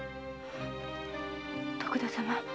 徳田様